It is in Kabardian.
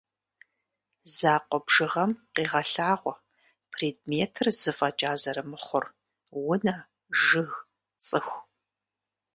Закъуэ бжыгъэм къегъэлъагъуэ предметыр зы фӏэкӏа зэрымыхъур: унэ, жыг, цӏыху.